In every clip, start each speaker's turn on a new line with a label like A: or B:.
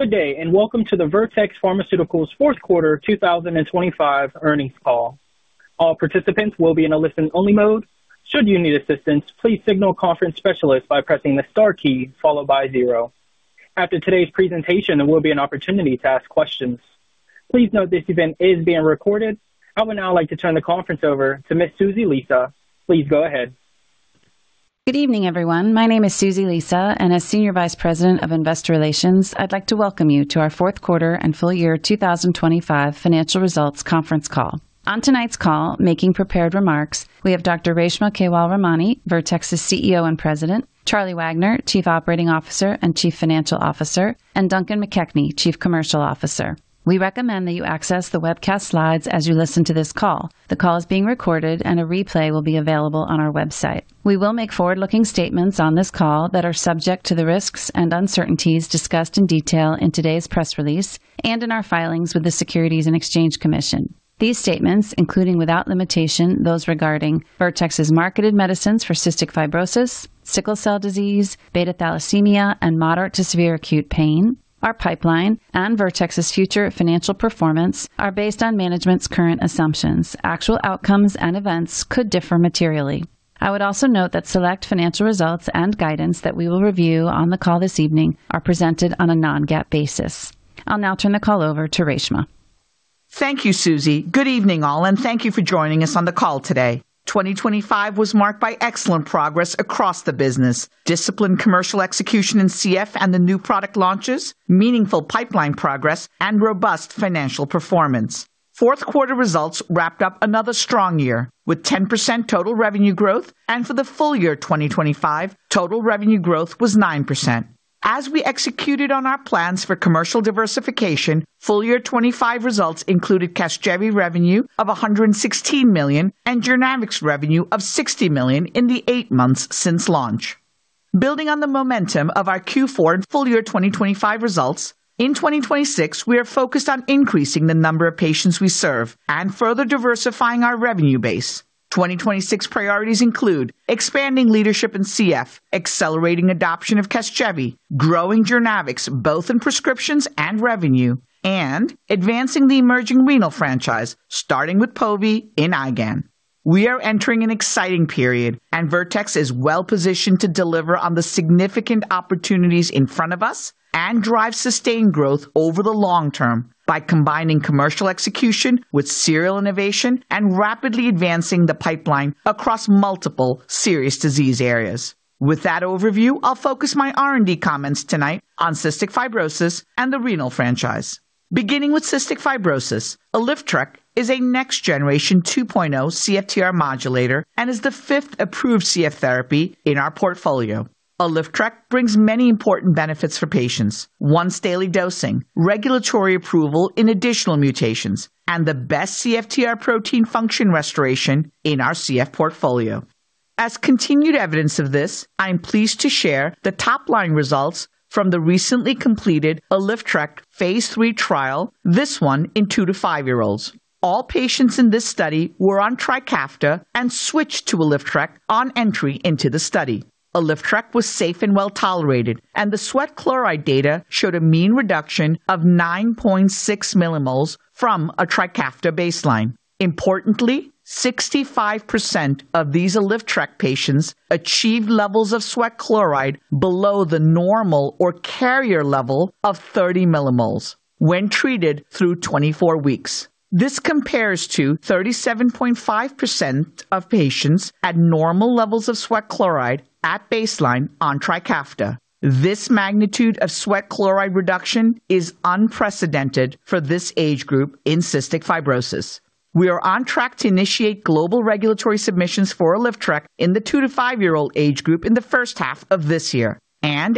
A: Good day, and welcome to the Vertex Pharmaceuticals Fourth Quarter 2025 Earnings Call. All participants will be in a listen-only mode. Should you need assistance, please signal a conference specialist by pressing the star key followed by zero. After today's presentation, there will be an opportunity to ask questions. Please note this event is being recorded. I would now like to turn the conference over to Ms. Susie Lisa. Please go ahead.
B: Good evening, everyone. My name is Susie Lisa, and as Senior Vice President of Investor Relations, I'd like to welcome you to our fourth quarter and full-year 2025 financial results conference call. On tonight's call, making prepared remarks, we have Dr. Reshma Kewalramani, Vertex's CEO and President, Charlie Wagner, Chief Operating Officer and Chief Financial Officer, and Duncan McKechnie, Chief Commercial Officer. We recommend that you access the webcast slides as you listen to this call. The call is being recorded, and a replay will be available on our website. We will make forward-looking statements on this call that are subject to the risks and uncertainties discussed in detail in today's press release and in our filings with the Securities and Exchange Commission. These statements, including without limitation, those regarding Vertex's marketed medicines for cystic fibrosis, sickle cell disease, beta thalassemia, and moderate to severe acute pain, our pipeline and Vertex's future financial performance, are based on management's current assumptions. Actual outcomes and events could differ materially. I would also note that select financial results and guidance that we will review on the call this evening are presented on a non-GAAP basis. I'll now turn the call over to Reshma.
C: Thank you, Susie. Good evening, all, and thank you for joining us on the call today. 2025 was marked by excellent progress across the business, disciplined commercial execution in CF and the new product launches, meaningful pipeline progress, and robust financial performance. Fourth quarter results wrapped up another strong year, with 10% total revenue growth, and for the full year 2025, total revenue growth was 9%. As we executed on our plans for commercial diversification, full-year 2025 results included CASGEVY revenue of $116 million and JOURNAVX's revenue of $60 million in the eight months since launch. Building on the momentum of our Q4 and full-year 2025 results, in 2026, we are focused on increasing the number of patients we serve and further diversifying our revenue base. 2026 priorities include expanding leadership in CF, accelerating adoption of CASGEVY, growing JOURNAVX, both in prescriptions and revenue, and advancing the emerging renal franchise, starting with Pove in IgAN. We are entering an exciting period, and Vertex is well positioned to deliver on the significant opportunities in front of us and drive sustained growth over the long term by combining commercial execution with serial innovation and rapidly advancing the pipeline across multiple serious disease areas. With that overview, I'll focus my R&D comments tonight on cystic fibrosis and the renal franchise. Beginning with cystic fibrosis, ALYFTREK is a next generation 2.0 CFTR modulator and is the fifth approved CF therapy in our portfolio. ALYFTREK brings many important benefits for patients: once daily dosing, regulatory approval in additional mutations, and the best CFTR protein function restoration in our CF portfolio. As continued evidence of this, I am pleased to share the top-line results from the recently completed ALYFTREK phase III trial, this one in two- to five-year-olds. All patients in this study were on TRIKAFTA and switched to ALYFTREK on entry into the study. ALYFTREK was safe and well tolerated, and the sweat chloride data showed a mean reduction of 9.6 mmol from a TRIKAFTA baseline. Importantly, 65% of these ALYFTREK patients achieved levels of sweat chloride below the normal or carrier level of 30 mmol when treated through 24 weeks. This compares to 37.5% of patients at normal levels of sweat chloride at baseline on TRIKAFTA. This magnitude of sweat chloride reduction is unprecedented for this age group in cystic fibrosis. We are on track to initiate global regulatory submissions for ALYFTREK in the two- to five-year-old age group in the first half of this year.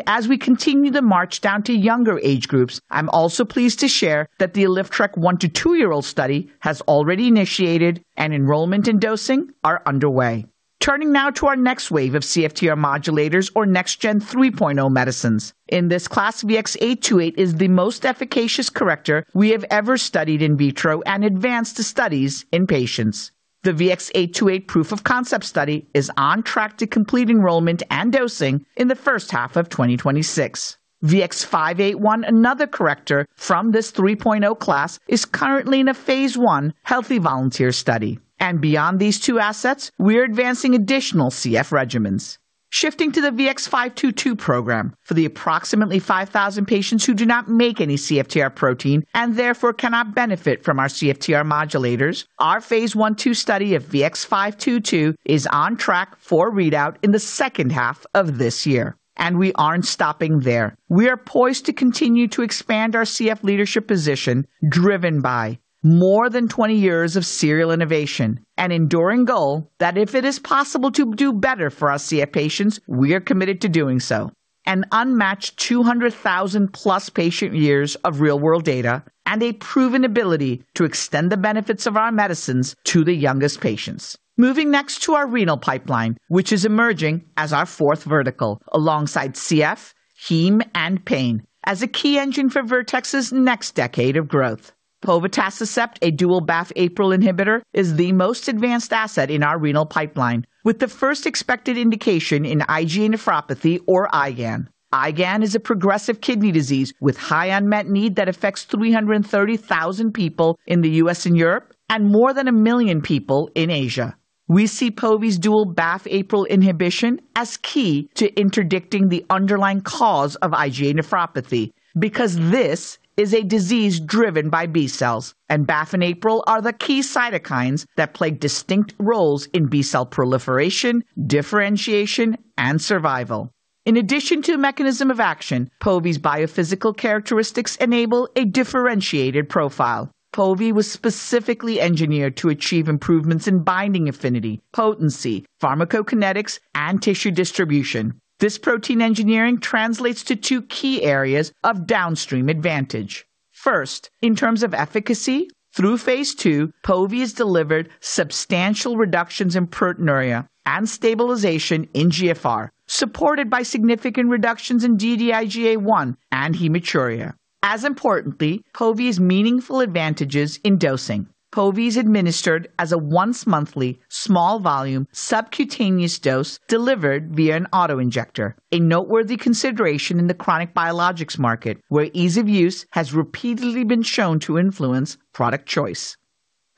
C: As we continue to march down to younger age groups, I'm also pleased to share that the ALYFTREK one- to two-year-old study has already initiated and enrollment and dosing are underway. Turning now to our next wave of CFTR modulators or next-gen 3.0 medicines. In this class, VX-828 is the most efficacious corrector we have ever studied in vitro and advanced to studies in patients. The VX-828 proof of concept study is on track to complete enrollment and dosing in the first half of 2026. VX-581, another corrector from this 3.0 class, is currently in a phase I healthy volunteer study. Beyond these two assets, we are advancing additional CF regimens. Shifting to the VX-522 program. For the approximately 5,000 patients who do not make any CFTR protein and therefore cannot benefit from our CFTR modulators, our phase I/II study of VX-522 is on track for readout in the second half of this year, and we aren't stopping there. We are poised to continue to expand our CF leadership position, driven by more than 20 years of serial innovation, an enduring goal that if it is possible to do better for our CF patients, we are committed to doing so, an unmatched 200,000+ patient years of real-world data, and a proven ability to extend the benefits of our medicines to the youngest patients. Moving next to our renal pipeline, which is emerging as our fourth vertical, alongside CF, heme, and pain, as a key engine for Vertex's next decade of growth. Povetacicept, a dual BAFF/APRIL inhibitor, is the most advanced asset in our renal pipeline, with the first expected indication in IgA nephropathy or IgAN. IgAN is a progressive kidney disease with high unmet need that affects 330,000 people in the U.S. and Europe, and more than 1 million people in Asia. We see Pove's dual BAFF/APRIL inhibition as key to interdicting the underlying cause of IgA nephropathy, because this is a disease driven by B cells, and BAFF and APRIL are the key cytokines that play distinct roles in B cell proliferation, differentiation, and survival. In addition to mechanism of action, Pove's biophysical characteristics enable a differentiated profile. Pove was specifically engineered to achieve improvements in binding affinity, potency, pharmacokinetics, and tissue distribution. This protein engineering translates to two key areas of downstream advantage. First, in terms of efficacy, through phase II, pove has delivered substantial reductions in proteinuria and stabilization in GFR, supported by significant reductions in Gd-IgA1 and hematuria. As importantly, povetacicept's meaningful advantages in dosing. Povetacicept is administered as a once-monthly, small-volume, subcutaneous dose delivered via an auto-injector, a noteworthy consideration in the chronic biologics market, where ease of use has repeatedly been shown to influence product choice.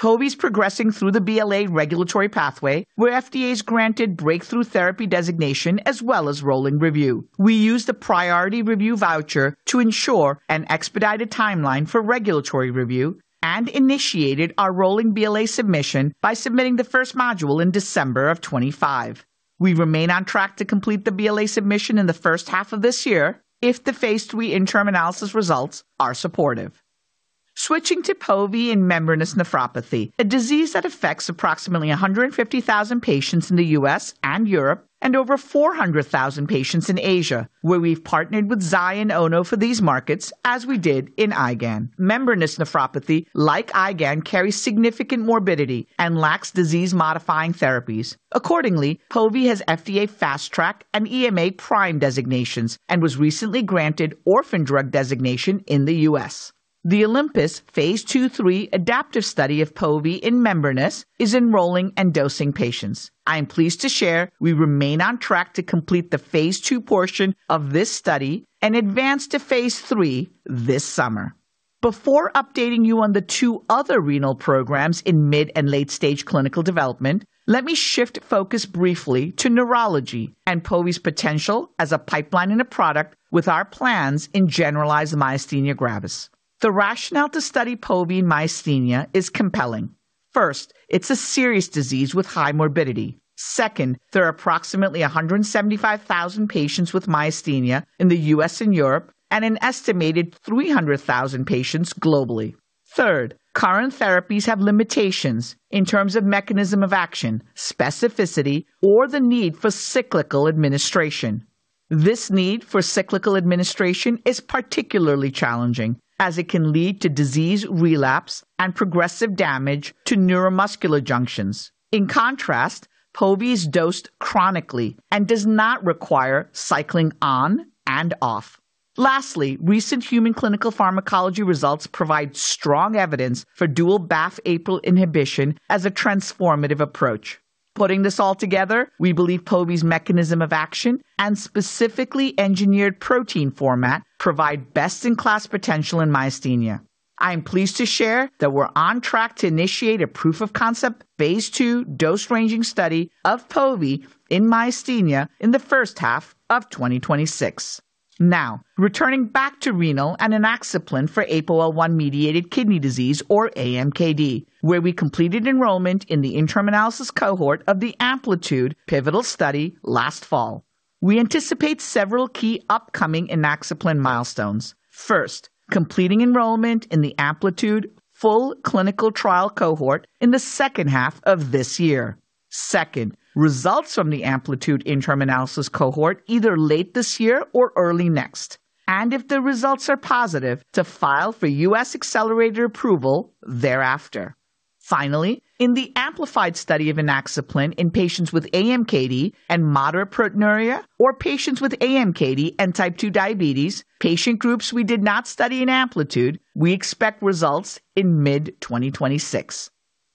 C: Pove's progressing through the BLA regulatory pathway, where FDA's granted breakthrough therapy designation as well as rolling review. We used a priority review voucher to ensure an expedited timeline for regulatory review and initiated our rolling BLA submission by submitting the first module in December of 2025. We remain on track to complete the BLA submission in the first half of this year if the phase III interim analysis results are supportive. Switching to Pove and membranous nephropathy, a disease that affects approximately 150,000 patients in the U.S. and Europe and over 400,000 patients in Asia, where we've partnered with Zai and Ono for these markets, as we did in IgAN. Membranous nephropathy, like IgAN, carries significant morbidity and lacks disease-modifying therapies. Accordingly, pove has FDA Fast Track and EMA PRIME designations and was recently granted Orphan Drug Designation in the U.S. The OLYMPUS phase II/III adaptive study of pove in membranous is enrolling and dosing patients. I'm pleased to share we remain on track to complete the phase II portion of this study and advance to phase III this summer. Before updating you on the two other renal programs in mid and late-stage clinical development, let me shift focus briefly to neurology and pove's potential as a pipeline and a product with our plans in generalized myasthenia gravis. The rationale to study pove myasthenia is compelling. First, it's a serious disease with high morbidity. Second, there are approximately 175,000 patients with myasthenia in the U.S. and Europe, and an estimated 300,000 patients globally. Third, current therapies have limitations in terms of mechanism of action, specificity, or the need for cyclical administration. This need for cyclical administration is particularly challenging, as it can lead to disease relapse and progressive damage to neuromuscular junctions. In contrast, pove is dosed chronically and does not require cycling on and off. Lastly, recent human clinical pharmacology results provide strong evidence for dual BAFF/APRIL inhibition as a transformative approach. Putting this all together, we believe pove's mechanism of action and specifically engineered protein format provide best-in-class potential in myasthenia. I am pleased to share that we're on track to initiate a proof of concept phase II dose-ranging study of pove in myasthenia in the first half of 2026. Now, returning back to renal and inaxaplin for APOL1-mediated kidney disease, or AMKD, where we completed enrollment in the interim analysis cohort of the AMPLITUDE pivotal study last fall. We anticipate several key upcoming inaxaplin milestones. First, completing enrollment in the AMPLITUDE full clinical trial cohort in the second half of this year. Second, results from the AMPLITUDE interim analysis cohort either late this year or early next, and if the results are positive, to file for U.S. accelerated approval thereafter. Finally, in the Amplified study of inaxaplin in patients with AMKD and moderate proteinuria, or patients with AMKD and type 2 diabetes, patient groups we did not study in AMPLITUDE, we expect results in mid-2026.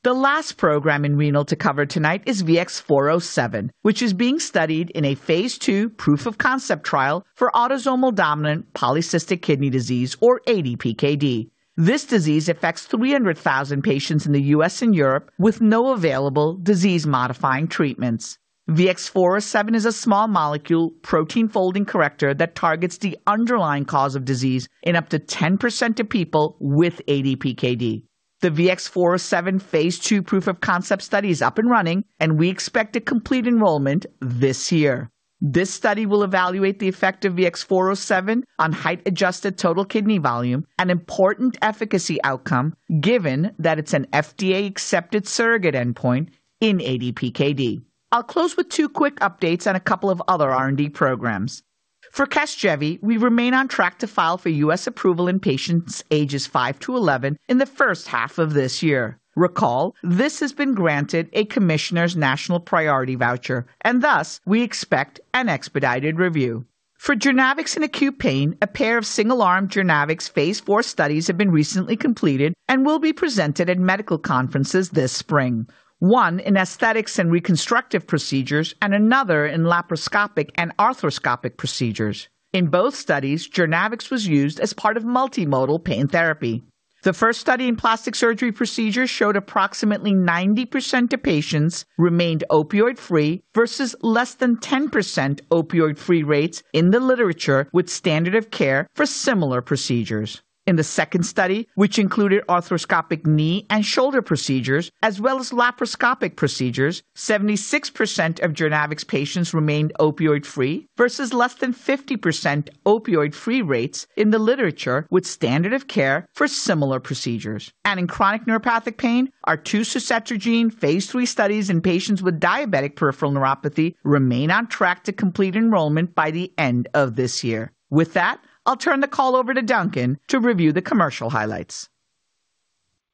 C: The last program in renal to cover tonight is VX-407, which is being studied in a phase II proof of concept trial for autosomal dominant polycystic kidney disease, or ADPKD. This disease affects 300,000 patients in the U.S. and Europe, with no available disease-modifying treatments. VX-407 is a small molecule protein-folding corrector that targets the underlying cause of disease in up to 10% of people with ADPKD. The VX-407 phase II proof of concept study is up and running, and we expect to complete enrollment this year. This study will evaluate the effect of VX-407 on height-adjusted total kidney volume, an important efficacy outcome, given that it's an FDA-accepted surrogate endpoint in ADPKD. I'll close with two quick updates on a couple of other R&D programs. For CASGEVY, we remain on track to file for U.S. approval in patients ages five to 11 in the first half of this year. Recall, this has been granted a Commissioner's National Priority Voucher, and thus, we expect an expedited review. For JOURNAVX in acute pain, a pair of single-arm JOURNAVX phase IV studies have been recently completed and will be presented at medical conferences this spring. One in aesthetics and reconstructive procedures and another in laparoscopic and arthroscopic procedures. In both studies, JOURNAVX was used as part of multimodal pain therapy. The first study in plastic surgery procedures showed approximately 90% of patients remained opioid-free versus less than 10% opioid-free rates in the literature with standard of care for similar procedures. In the second study, which included arthroscopic knee and shoulder procedures, as well as laparoscopic procedures, 76% of JOURNAVX patients remained opioid-free versus less than 50% opioid-free rates in the literature with standard of care for similar procedures. And in chronic neuropathic pain, our two suzetrigine phase III studies in patients with diabetic peripheral neuropathy remain on track to complete enrollment by the end of this year. With that, I'll turn the call over to Duncan to review the commercial highlights.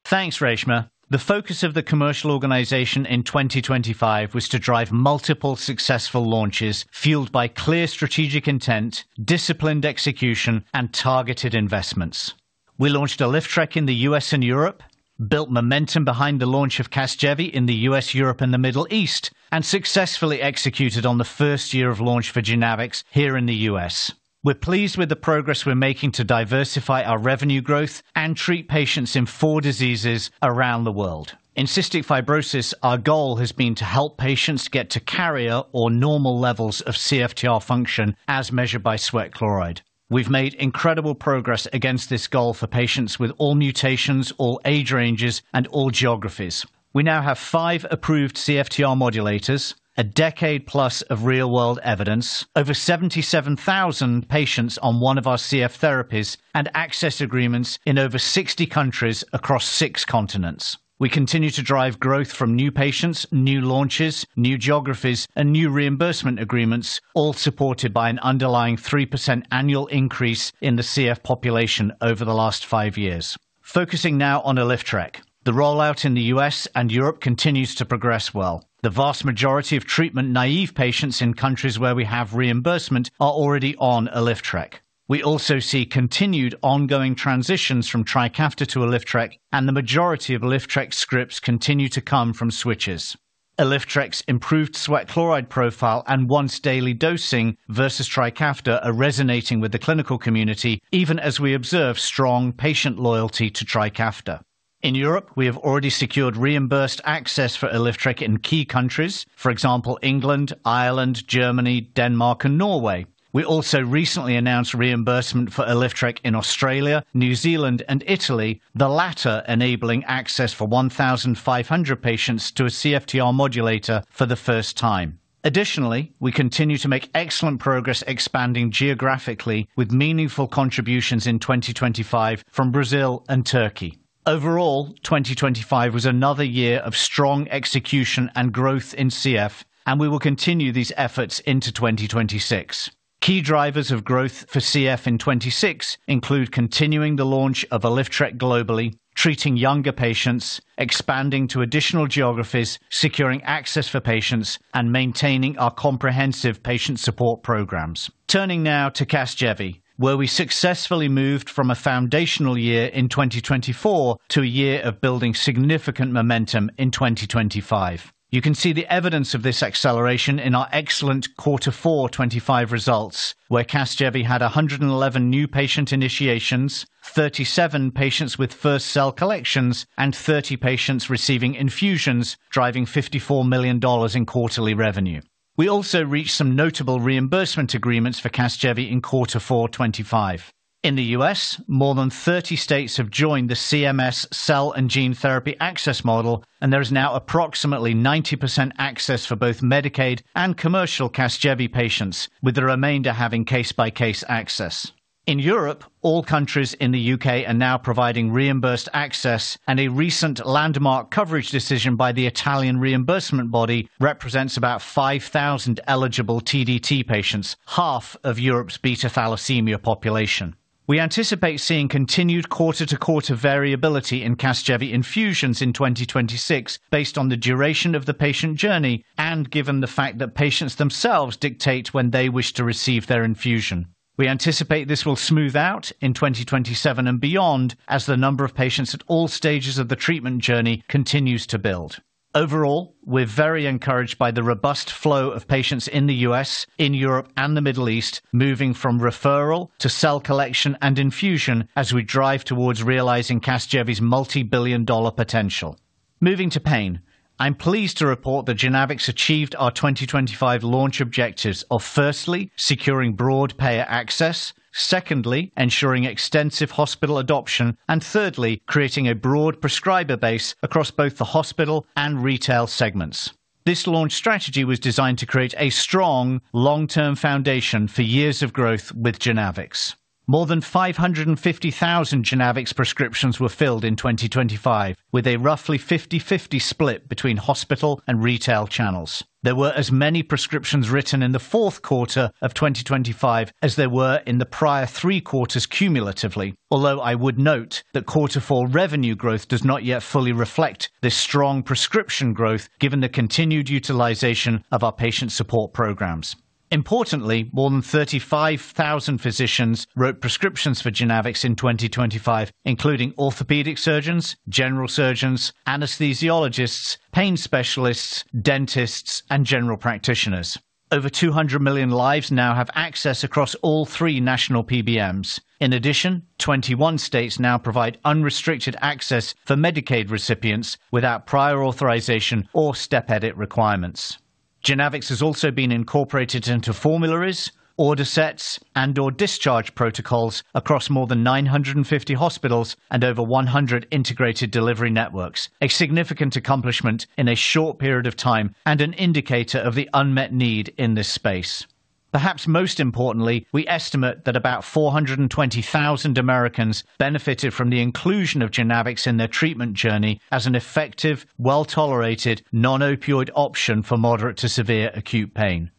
D: Thanks, Reshma. The focus of the commercial organization in 2025 was to drive multiple successful launches, fueled by clear strategic intent, disciplined execution, and targeted investments. We launched ALYFTREK in the U.S. and Europe, built momentum behind the launch of CASGEVY in the U.S., Europe, and the Middle East, and successfully executed on the first year of launch for JOURNAVX here in the U.S. We're pleased with the progress we're making to diversify our revenue growth and treat patients in four diseases around the world. In cystic fibrosis, our goal has been to help patients get to carrier or normal levels of CFTR function as measured by sweat chloride. We've made incredible progress against this goal for patients with all mutations, all age ranges, and all geographies. We now have five approved CFTR modulators, a decade plus of real-world evidence, over 77,000 patients on one of our CF therapies, and access agreements in over 60 countries across six continents. We continue to drive growth from new patients, new launches, new geographies, and new reimbursement agreements, all supported by an underlying 3% annual increase in the CF population over the last five years. Focusing now on ALYFTREK. The rollout in the U.S. and Europe continues to progress well. The vast majority of treatment-naive patients in countries where we have reimbursement are already on ALYFTREK. We also see continued ongoing transitions from TRIKAFTA to ALYFTREK, and the majority of ALYFTREK scripts continue to come from switches. ALYFTREK's improved sweat chloride profile and once-daily dosing versus TRIKAFTA are resonating with the clinical community, even as we observe strong patient loyalty to TRIKAFTA. In Europe, we have already secured reimbursed access for ALYFTREK in key countries, for example, England, Ireland, Germany, Denmark, and Norway. We also recently announced reimbursement for ALYFTREK in Australia, New Zealand, and Italy, the latter enabling access for 1,500 patients to a CFTR modulator for the first time. Additionally, we continue to make excellent progress expanding geographically with meaningful contributions in 2025 from Brazil and Turkey. Overall, 2025 was another year of strong execution and growth in CF, and we will continue these efforts into 2026. Key drivers of growth for CF in 2026 include continuing the launch of ALYFTREK globally, treating younger patients, expanding to additional geographies, securing access for patients, and maintaining our comprehensive patient support programs. Turning now to CASGEVY, where we successfully moved from a foundational year in 2024 to a year of building significant momentum in 2025. You can see the evidence of this acceleration in our excellent quarter four 2025 results, where CASGEVY had 111 new patient initiations, 37 patients with first cell collections, and 30 patients receiving infusions, driving $54 million in quarterly revenue. We also reached some notable reimbursement agreements for CASGEVY in quarter four 2025. In the U.S., more than 30 states have joined the CMS Cell and Gene Therapy Access Model, and there is now approximately 90% access for both Medicaid and commercial CASGEVY patients, with the remainder having case-by-case access. In Europe, all countries in the U.K. are now providing reimbursed access, and a recent landmark coverage decision by the Italian reimbursement body represents about 5,000 eligible TDT patients, half of Europe's beta thalassemia population. We anticipate seeing continued quarter-to-quarter variability in CASGEVY infusions in 2026, based on the duration of the patient journey and given the fact that patients themselves dictate when they wish to receive their infusion. We anticipate this will smooth out in 2027 and beyond, as the number of patients at all stages of the treatment journey continues to build. Overall, we're very encouraged by the robust flow of patients in the U.S., in Europe, and the Middle East, moving from referral to cell collection and infusion as we drive towards realizing CASGEVY's multibillion-dollar potential. Moving to pain. I'm pleased to report that JOURNAVX achieved our 2025 launch objectives of, firstly, securing broad payer access, secondly, ensuring extensive hospital adoption, and thirdly, creating a broad prescriber base across both the hospital and retail segments. This launch strategy was designed to create a strong long-term foundation for years of growth with JOURNAVX. More than 550,000 JOURNAVX prescriptions were filled in 2025, with a roughly 50/50 split between hospital and retail channels. There were as many prescriptions written in the fourth quarter of 2025 as there were in the prior three quarters cumulatively. Although I would note that quarter four revenue growth does not yet fully reflect this strong prescription growth, given the continued utilization of our patient support programs. Importantly, more than 35,000 physicians wrote prescriptions for JOURNAVX in 2025, including orthopedic surgeons, general surgeons, anesthesiologists, pain specialists, dentists, and general practitioners. Over 200 million lives now have access across all three national PBMs. In addition, 21 states now provide unrestricted access for Medicaid recipients without prior authorization or step edit requirements. JOURNAVX has also been incorporated into formularies, order sets, and/or discharge protocols across more than 950 hospitals and over 100 integrated delivery networks, a significant accomplishment in a short period of time and an indicator of the unmet need in this space. Perhaps most importantly, we estimate that about 420,000 Americans benefited from the inclusion of JOURNAVX in their treatment journey as an effective, well-tolerated non-opioid option for moderate to severe acute pain.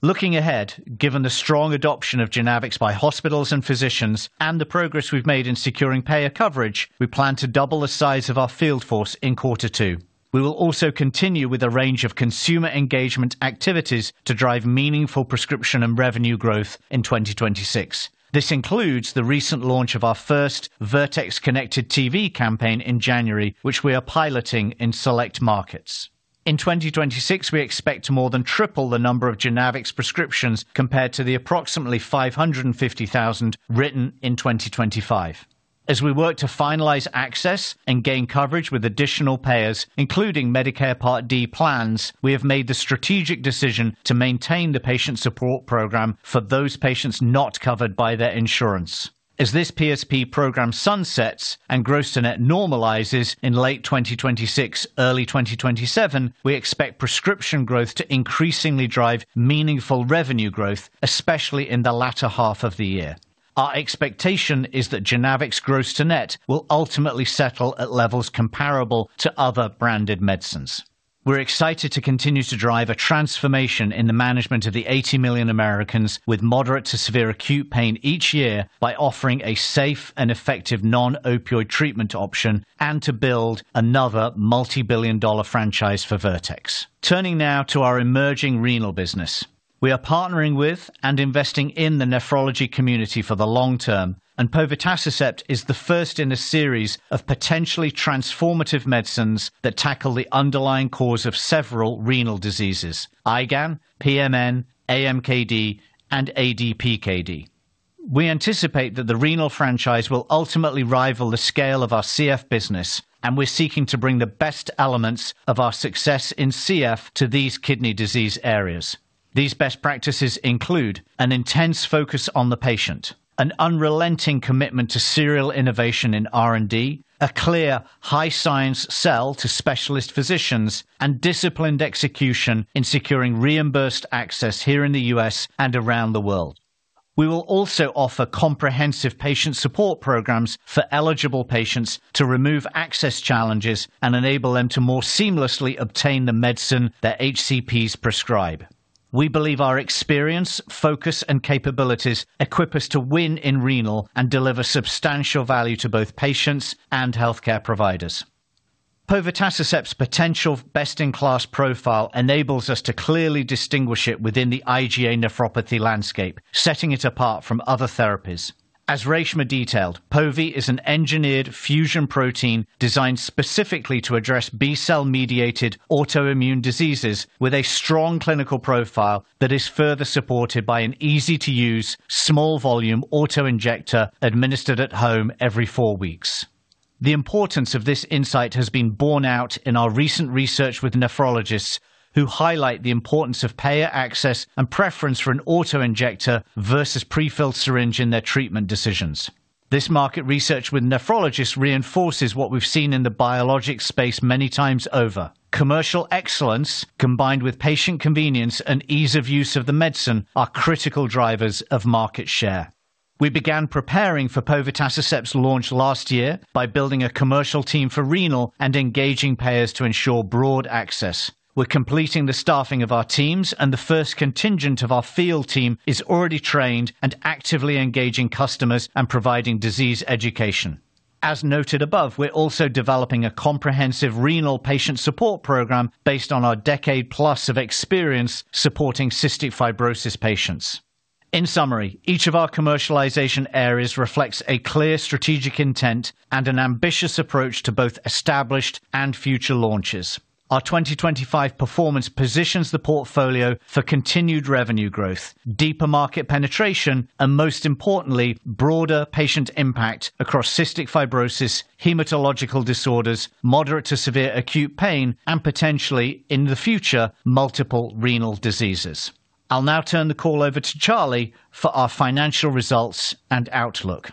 D: Looking ahead, given the strong adoption of JOURNAVX by hospitals and physicians and the progress we've made in securing payer coverage, we plan to double the size of our field force in quarter two. We will also continue with a range of consumer engagement activities to drive meaningful prescription and revenue growth in 2026. This includes the recent launch of our first Vertex-connected TV campaign in January, which we are piloting in select markets. In 2026, we expect to more than triple the number of JOURNAVX prescriptions compared to the approximately 550,000 written in 2025. As we work to finalize access and gain coverage with additional payers, including Medicare Part D plans, we have made the strategic decision to maintain the patient support program for those patients not covered by their insurance. As this PSP program sunsets and gross to net normalizes in late 2026, early 2027, we expect prescription growth to increasingly drive meaningful revenue growth, especially in the latter half of the year. Our expectation is that JOURNAVX gross to net will ultimately settle at levels comparable to other branded medicines. We're excited to continue to drive a transformation in the management of the 80 million Americans with moderate to severe acute pain each year by offering a safe and effective non-opioid treatment option and to build another multi-billion-dollar franchise for Vertex. Turning now to our emerging renal business. We are partnering with and investing in the nephrology community for the long term, and povetacicept is the first in a series of potentially transformative medicines that tackle the underlying cause of several renal diseases: IgAN, PMN, AMKD, and ADPKD. We anticipate that the renal franchise will ultimately rival the scale of our CF business, and we're seeking to bring the best elements of our success in CF to these kidney disease areas. These best practices include an intense focus on the patient, an unrelenting commitment to serial innovation in R&D, a clear high science sell to specialist physicians, and disciplined execution in securing reimbursed access here in the U.S. and around the world. We will also offer comprehensive patient support programs for eligible patients to remove access challenges and enable them to more seamlessly obtain the medicine their HCPs prescribe. We believe our experience, focus, and capabilities equip us to win in renal and deliver substantial value to both patients and healthcare providers. Povetacicept's potential best-in-class profile enables us to clearly distinguish it within the IgA nephropathy landscape, setting it apart from other therapies. As Reshma detailed, Pove is an engineered fusion protein designed specifically to address B cell-mediated autoimmune diseases with a strong clinical profile that is further supported by an easy-to-use, small-volume auto-injector administered at home every four weeks. The importance of this insight has been borne out in our recent research with nephrologists, who highlight the importance of payer access and preference for an auto-injector versus prefilled syringe in their treatment decisions. This market research with nephrologists reinforces what we've seen in the biologic space many times over. Commercial excellence, combined with patient convenience and ease of use of the medicine, are critical drivers of market share. We began preparing for povetacicept's launch last year by building a commercial team for renal and engaging payers to ensure broad access. We're completing the staffing of our teams, and the first contingent of our field team is already trained and actively engaging customers and providing disease education. As noted above, we're also developing a comprehensive renal patient support program based on our decade plus of experience supporting cystic fibrosis patients. In summary, each of our commercialization areas reflects a clear strategic intent and an ambitious approach to both established and future launches. Our 2025 performance positions the portfolio for continued revenue growth, deeper market penetration, and, most importantly, broader patient impact across cystic fibrosis, hematological disorders, moderate to severe acute pain, and potentially, in the future, multiple renal diseases. I'll now turn the call over to Charlie for our financial results and outlook.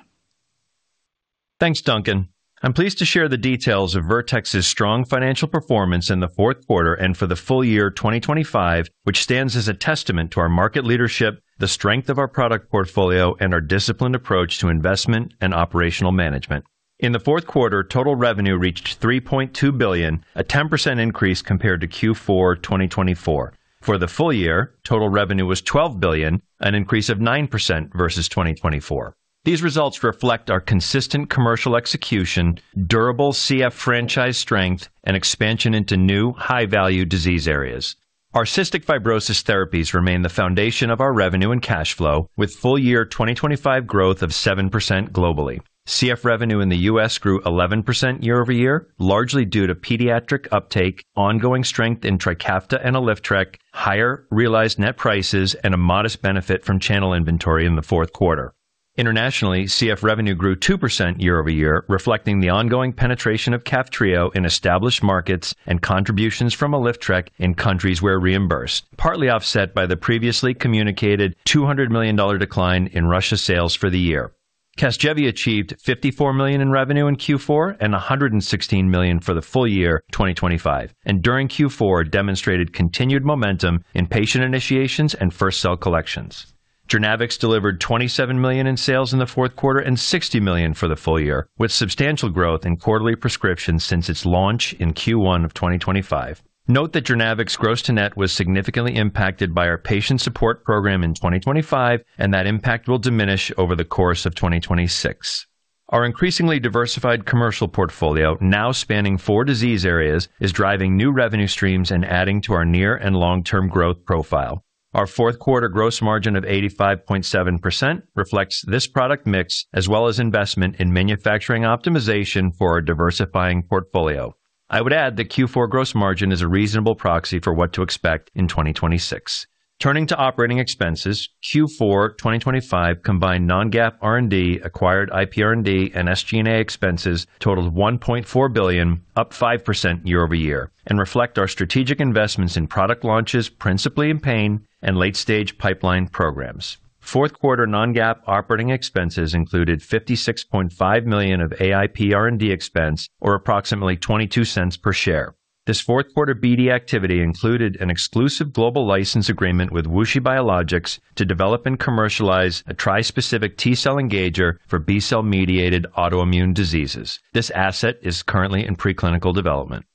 E: Thanks, Duncan. I'm pleased to share the details of Vertex's strong financial performance in the fourth quarter and for the full-year 2025, which stands as a testament to our market leadership, the strength of our product portfolio, and our disciplined approach to investment and operational management. In the fourth quarter, total revenue reached $3.2 billion, a 10% increase compared to Q4 2024. For the full year, total revenue was $12 billion, an increase of 9% versus 2024. These results reflect our consistent commercial execution, durable CF franchise strength, and expansion into new high-value disease areas. Our cystic fibrosis therapies remain the foundation of our revenue and cash flow, with full-year 2025 growth of 7% globally. CF revenue in the U.S. grew 11% year-over-year, largely due to pediatric uptake, ongoing strength in TRIKAFTA and ALYFTREK, higher realized net prices, and a modest benefit from channel inventory in the fourth quarter. Internationally, CF revenue grew 2% year-over-year, reflecting the ongoing penetration of KAFTRIO in established markets and contributions from ALYFTREK in countries where reimbursed, partly offset by the previously communicated $200 million decline in Russia sales for the year. CASGEVY achieved $54 million in revenue in Q4 and $116 million for the full year 2025, and during Q4, demonstrated continued momentum in patient initiations and first cell collections. JOURNAVX delivered $27 million in sales in the fourth quarter and $60 million for the full year, with substantial growth in quarterly prescriptions since its launch in Q1 of 2025. Note that JOURNAVX gross to net was significantly impacted by our patient support program in 2025, and that impact will diminish over the course of 2026. Our increasingly diversified commercial portfolio, now spanning four disease areas, is driving new revenue streams and adding to our near and long-term growth profile. Our fourth quarter gross margin of 85.7% reflects this product mix, as well as investment in manufacturing optimization for our diversifying portfolio. I would add that Q4 gross margin is a reasonable proxy for what to expect in 2026. Turning to operating expenses, Q4 2025 combined non-GAAP, R&D, acquired IPR&D and SG&A expenses totaled $1.4 billion, up 5% year-over-year, and reflect our strategic investments in product launches, principally in pain and late-stage pipeline programs. Fourth quarter non-GAAP operating expenses included $56.5 million of IPR&D expense, or approximately $0.22 per share. This fourth quarter BD activity included an exclusive global license agreement with WuXi Biologics to develop and commercialize a tri-specific T-cell engager for B cell-mediated autoimmune diseases. This asset is currently in preclinical development.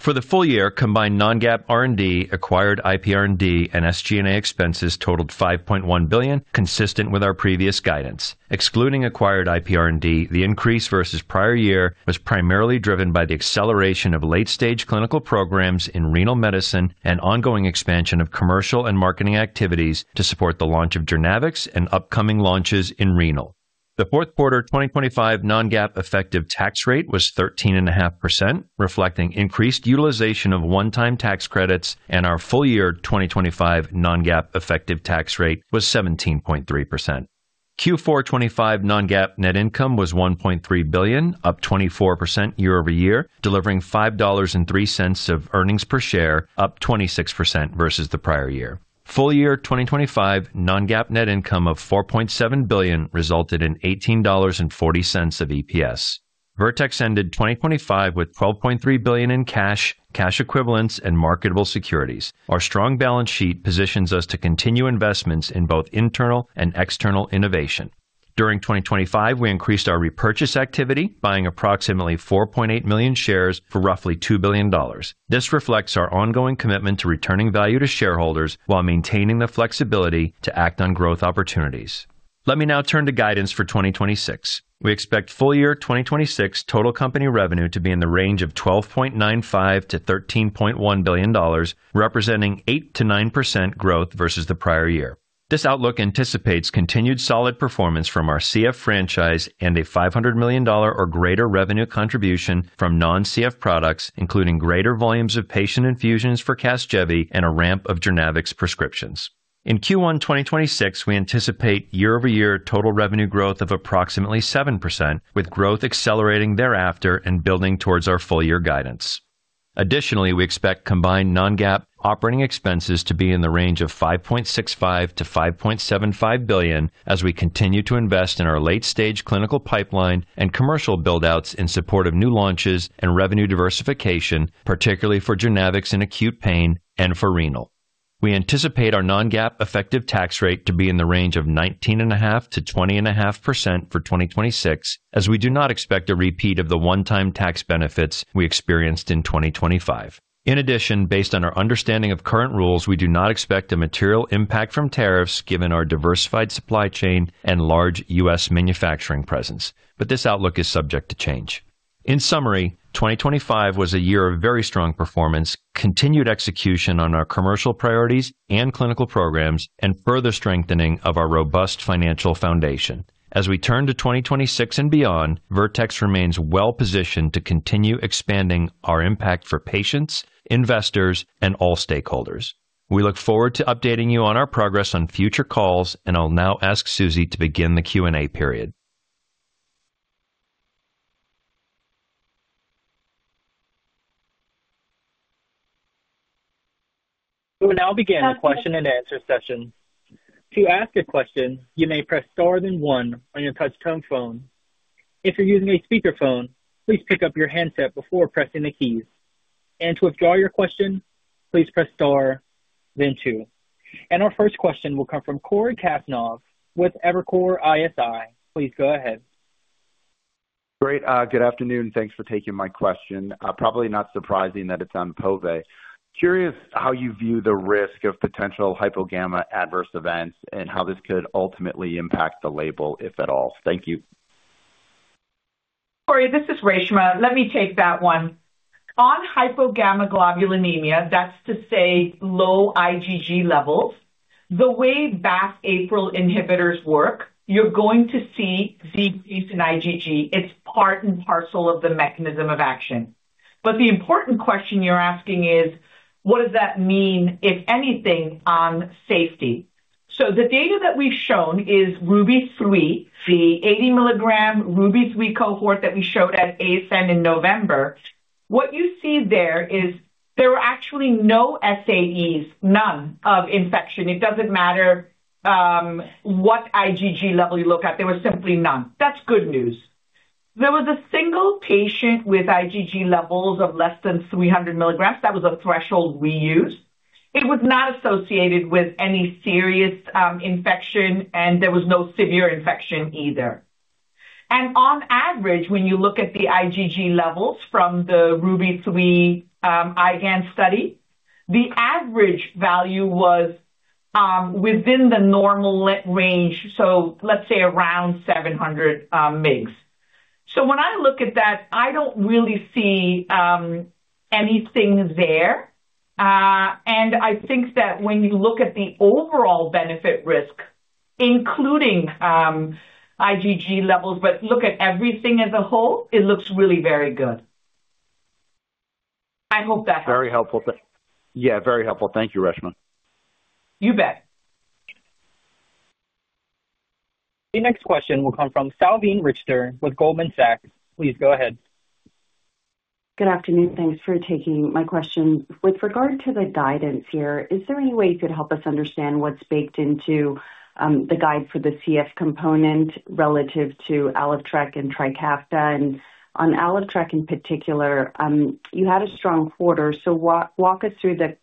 E: For the full year, combined non-GAAP, R&D, acquired IPR&D and SG&A expenses totaled $5.1 billion, consistent with our previous guidance. Excluding acquired IPR&D, the increase versus prior year was primarily driven by the acceleration of late-stage clinical programs in renal medicine and ongoing expansion of commercial and marketing activities to support the launch of JOURNAVX and upcoming launches in renal. The fourth quarter 2025 non-GAAP effective tax rate was 13.5%, reflecting increased utilization of one-time tax credits and our full-year 2025 non-GAAP effective tax rate was 17.3%. Q4 2025 non-GAAP net income was $1.3 billion, up 24% year-over-year, delivering $5.03 of earnings per share, up 26% versus the prior year. Full-year 2025 non-GAAP net income of $4.7 billion resulted in $18.40 of EPS. Vertex ended 2025 with $12.3 billion in cash, cash equivalents and marketable securities. Our strong balance sheet positions us to continue investments in both internal and external innovation. During 2025, we increased our repurchase activity, buying approximately 4.8 million shares for roughly $2 billion. This reflects our ongoing commitment to returning value to shareholders while maintaining the flexibility to act on growth opportunities. Let me now turn to guidance for 2026. We expect full-year 2026 total company revenue to be in the range of $12.95 billion-$13.1 billion, representing 8%-9% growth versus the prior year. This outlook anticipates continued solid performance from our CF franchise and a $500 million or greater revenue contribution from non-CF products, including greater volumes of patient infusions for CASGEVY and a ramp of JOURNAVX prescriptions. In Q1 2026, we anticipate year-over-year total revenue growth of approximately 7%, with growth accelerating thereafter and building towards our full-year guidance. Additionally, we expect combined non-GAAP operating expenses to be in the range of $5.65 billion-$5.75 billion as we continue to invest in our late-stage clinical pipeline and commercial build outs in support of new launches and revenue diversification, particularly for genetics in acute pain and for renal. We anticipate our non-GAAP effective tax rate to be in the range of 19.5%-20.5% for 2026, as we do not expect a repeat of the one-time tax benefits we experienced in 2025. In addition, based on our understanding of current rules, we do not expect a material impact from tariffs given our diversified supply chain and large U.S. manufacturing presence, but this outlook is subject to change. In summary, 2025 was a year of very strong performance, continued execution on our commercial priorities and clinical programs, and further strengthening of our robust financial foundation. As we turn to 2026 and beyond, Vertex remains well positioned to continue expanding our impact for patients, investors and all stakeholders. We look forward to updating you on our progress on future calls, and I'll now ask Susie to begin the Q&A period.
A: We will now begin the question-and-answer session. To ask a question, you may press star then one on your touchtone phone. If you're using a speakerphone, please pick up your handset before pressing the keys. To withdraw your question, please press star then two. Our first question will come from Cory Kasimov with Evercore ISI. Please go ahead.
F: Great. Good afternoon. Thanks for taking my question. Probably not surprising that it's on pove. Curious how you view the risk of potential hypogammaglobulinemia adverse events and how this could ultimately impact the label, if at all. Thank you.
C: Cory, this is Reshma. Let me take that one. On hypogammaglobulinemia, that's to say, low IgG levels. The way BAFF/APRIL inhibitors work, you're going to see a decrease in IgG. It's part and parcel of the mechanism of action. But the important question you're asking is, what does that mean, if anything, on safety? So the data that we've shown is RUBY-3, the 80 mg RUBY-3 cohort that we showed at ASN in November. What you see there is there were actually no SAEs, none of infection. It doesn't matter what IgG level you look at, there were simply none. That's good news. There was a single patient with IgG levels of less than 300 mg. That was a threshold we used. It was not associated with any serious infection, and there was no severe infection either. And on average, when you look at the IgG levels from the RUBY-3 IgAN study, the average value was within the normal limit range, so let's say, around 700 mg. When I look at that, I don't really see anything there. I think that when you look at the overall benefit risk, including IgG levels, but look at everything as a whole, it looks really very good. I hope that helps.
F: Very helpful. Yeah, very helpful. Thank you, Reshma.
C: You bet.
A: The next question will come from Salveen Richter with Goldman Sachs. Please go ahead.
G: Good afternoon. Thanks for taking my question. With regard to the guidance here, is there any way you could help us understand what's baked into the guide for the CF component relative to ALYFTREK and TRIKAFTA? And on ALYFTREK in particular, you had a strong quarter, so walk us through the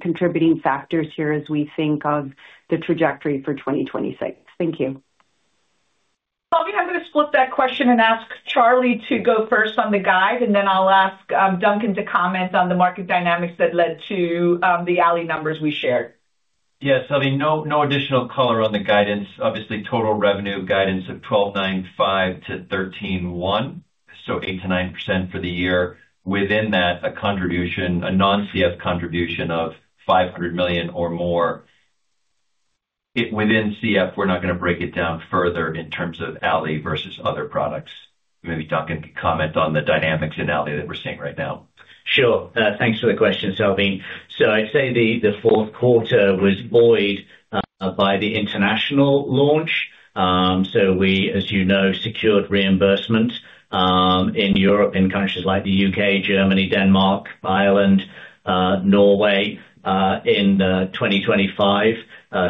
G: contributing factors here as we think of the trajectory for 2026. Thank you.
C: Salveen, I'm going to split that question and ask Charlie to go first on the guide, and then I'll ask Duncan to comment on the market dynamics that led to the Aly numbers we shared.
E: Yes, Salveen, no, no additional color on the guidance. Obviously, total revenue guidance of $1.295 billion-$1.301 billion, so 8%-9% for the year. Within that, a contribution, a non-CF contribution of $500 million or more. Within CF, we're not going to break it down further in terms of Aly versus other products. Maybe Duncan can comment on the dynamics in Aly that we're seeing right now.
D: Sure. Thanks for the question, Salveen. So I'd say the fourth quarter was buoyed by the international launch. So we, as you know, secured reimbursement in Europe, in countries like the U.K., Germany, Denmark, Ireland, Norway, in 2025.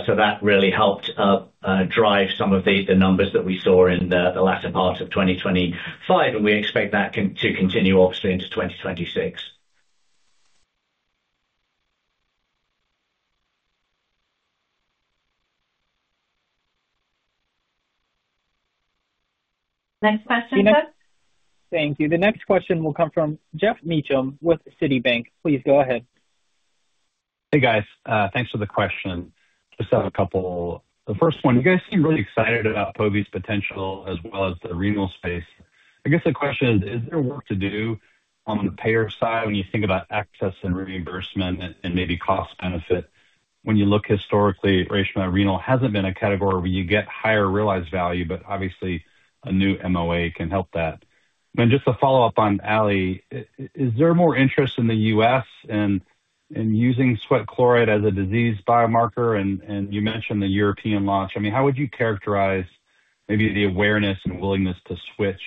D: So that really helped drive some of the numbers that we saw in the latter part of 2025, and we expect that to continue obviously into 2026.
C: Next question, sir.
A: Thank you. The next question will come from Geoff Meacham with Citibank. Please go ahead.
H: Hey, guys. Thanks for the question. Just have a couple. The first one, you guys seem really excited about pove's potential as well as the renal space. I guess the question is, is there work to do on the payer side when you think about access and reimbursement and, and maybe cost benefit? When you look historically, rare renal hasn't been a category where you get higher realized value, but obviously a new MOA can help that. Then just a follow-up on Aly. Is there more interest in the US in, in using sweat chloride as a disease biomarker? And, and you mentioned the European launch. I mean, how would you characterize maybe the awareness and willingness to switch,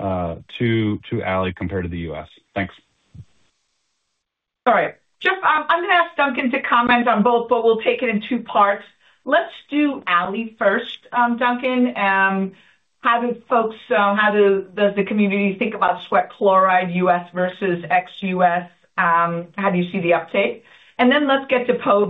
H: to, to Aly compared to the U.S.? Thanks.
C: All right, Geoff, I'm going to ask Duncan to comment on both, but we'll take it in two parts. Let's do Aly first, Duncan. How do folks, how does the community think about sweat chloride, U.S. versus ex-U.S.? How do you see the uptake? And then let's get to pove.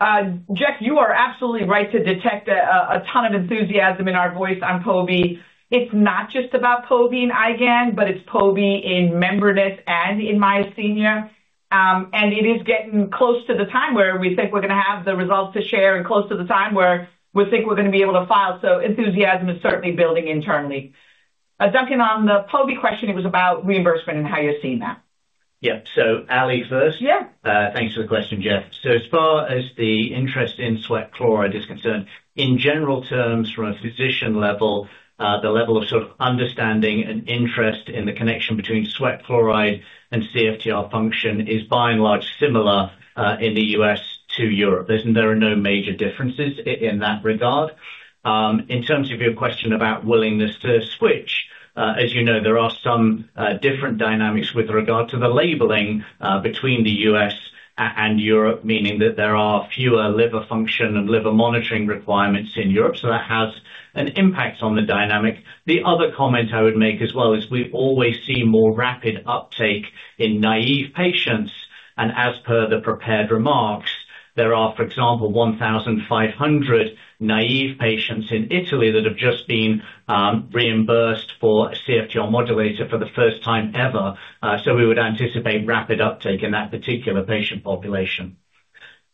C: Geoff, you are absolutely right to detect a ton of enthusiasm in our voice on pove. It's not just about pove and IgAN, but it's pove in membranous nephropathy and in myasthenia gravis. And it is getting close to the time where we think we're going to have the results to share and close to the time where we think we're going to be able to file. So enthusiasm is certainly building internally. Duncan, on the pove question, it was about reimbursement and how you're seeing that.
D: Yeah. So Aly first?
C: Yeah.
D: Thanks for the question, Geoff. So as far as the interest in sweat chloride is concerned, in general terms, from a physician level, the level of sort of understanding and interest in the connection between sweat chloride and CFTR function is by and large, similar, in the U.S. to Europe. There are no major differences in that regard. In terms of your question about willingness to switch, as you know, there are some different dynamics with regard to the labeling, between the U.S. and Europe, meaning that there are fewer liver function and liver monitoring requirements in Europe, so that has an impact on the dynamic. The other comment I would make as well is we've always seen more rapid uptake in naive patients, and as per the prepared remarks, there are, for example, 1,500 naive patients in Italy that have just been reimbursed for a CFTR modulator for the first time ever. So we would anticipate rapid uptake in that particular patient population.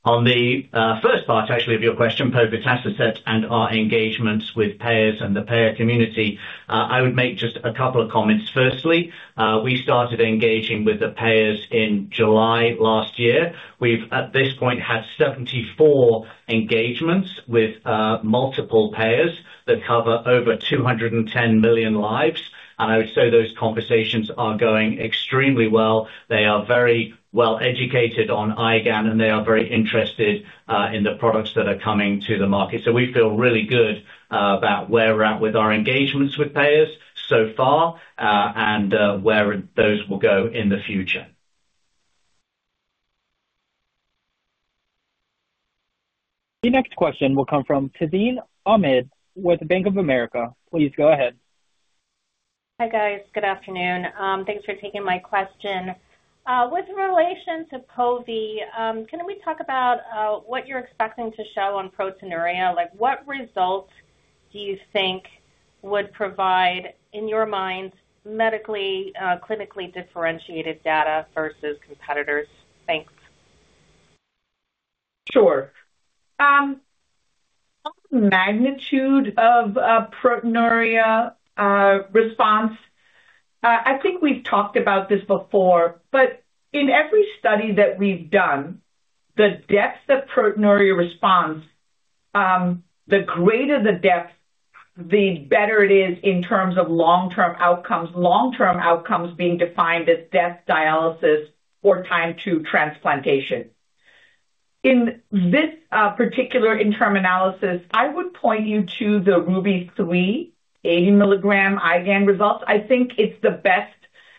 D: On the first part actually of your question, povetacicept and our engagements with payers and the payer community, I would make just a couple of comments. Firstly, we started engaging with the payers in July last year. We've, at this point, had 74 engagements with multiple payers that cover over 210 million lives, and I would say those conversations are going extremely well. They are very well educated on IgAN, and they are very interested in the products that are coming to the market. So we feel really good about where we're at with our engagements with payers so far, and where those will go in the future.
A: The next question will come from Tazeen Ahmad with Bank of America. Please go ahead.
I: Hi, guys. Good afternoon. Thanks for taking my question. With relation to pove, can we talk about what you're expecting to show on proteinuria? Like, what results do you think would provide, in your mind, medically, clinically differentiated data versus competitors? Thanks.
C: Sure. Magnitude of proteinuria response. I think we've talked about this before, but in every study that we've done, the depth of proteinuria response, the greater the depth, the better it is in terms of long-term outcomes. Long-term outcomes being defined as death, dialysis, or time to transplantation. In this particular interim analysis, I would point you to the RUBY-3 80 mg IgAN results. I think it's the best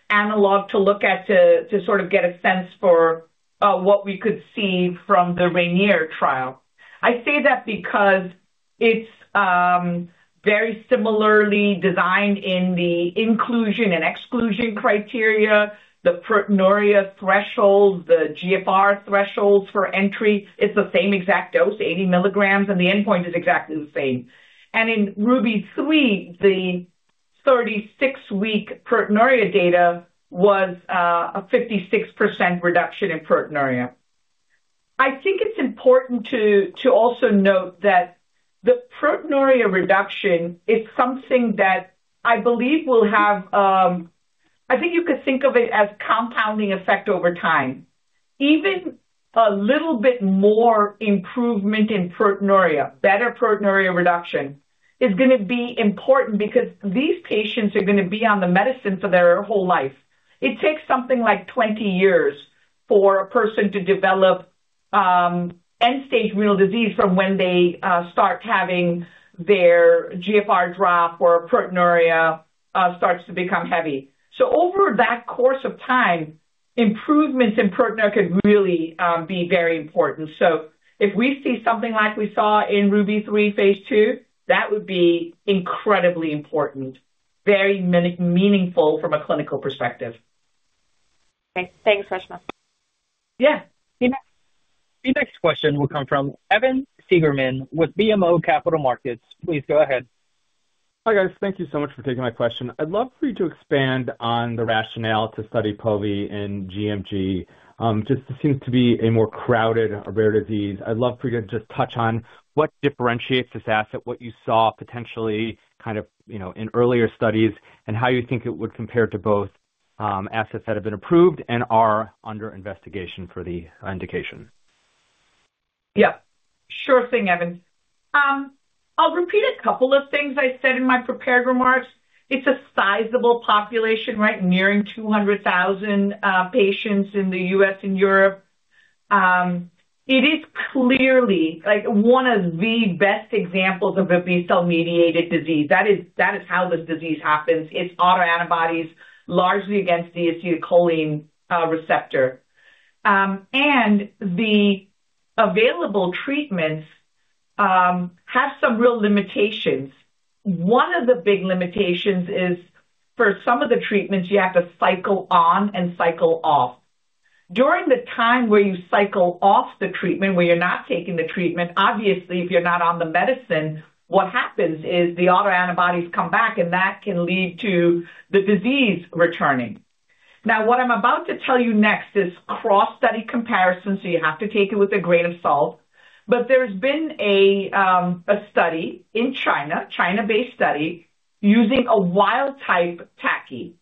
C: analog to look at to sort of get a sense for what we could see from the RAINIER trial. I say that because it's very similarly designed in the inclusion and exclusion criteria, the proteinuria threshold, the GFR threshold for entry. It's the same exact dose, 80 mg, and the endpoint is exactly the same. In RUBY-3, the 36-week proteinuria data was a 56% reduction in proteinuria. I think it's important to also note that the proteinuria reduction is something that I believe will have. I think you could think of it as compounding effect over time. Even a little bit more improvement in proteinuria, better proteinuria reduction, is gonna be important because these patients are gonna be on the medicine for their whole life. It takes something like 20 years for a person to develop end-stage renal disease from when they start having their GFR drop or proteinuria starts to become heavy. So over that course of time, improvements in proteinuria could really be very important. So if we see something like we saw in RUBY-3 phase II, that would be incredibly important, very meaningful from a clinical perspective.
I: Okay, thanks, Reshma.
C: Yeah.
A: The next question will come from Evan Seigerman with BMO Capital Markets. Please go ahead.
J: Hi, guys. Thank you so much for taking my question. I'd love for you to expand on the rationale to study pove in gMG. Just seems to be a more crowded, a rare disease. I'd love for you to just touch on what differentiates this asset, what you saw potentially kind of, you know, in earlier studies, and how you think it would compare to both, assets that have been approved and are under investigation for the indication.
C: Yeah, sure thing, Evan. I'll repeat a couple of things I said in my prepared remarks. It's a sizable population, right? Nearing 200,000 patients in the U.S. and Europe. It is clearly, like, one of the best examples of a B cell-mediated disease. That is, that is how this disease happens. It's autoantibodies, largely against the acetylcholine receptor. And the available treatments have some real limitations. One of the big limitations is, for some of the treatments, you have to cycle on and cycle off. During the time where you cycle off the treatment, where you're not taking the treatment, obviously, if you're not on the medicine, what happens is the autoantibodies come back, and that can lead to the disease returning. Now, what I'm about to tell you next is cross-study comparison, so you have to take it with a grain of salt. But there's been a study in China, China-based study, using a wild type TACI.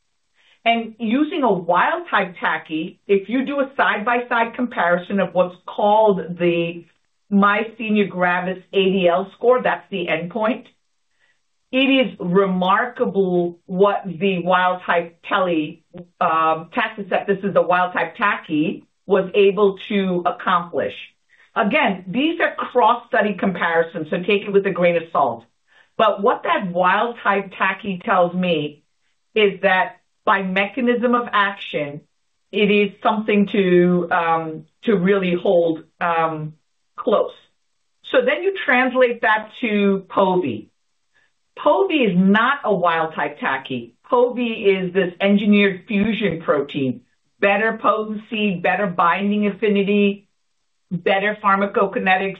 C: And using a wild type TACI, if you do a side-by-side comparison of what's called the myasthenia gravis ADL score, that's the endpoint, it is remarkable what the wild type TACI, this is the wild type TACI, was able to accomplish. Again, these are cross-study comparisons, so take it with a grain of salt. But what that wild type TACI tells me is that by mechanism of action, it is something to really hold close. So then you translate that to Pove. Pove is not a wild type TACI. Pove is this engineered fusion protein, better potency, better binding affinity, better pharmacokinetics,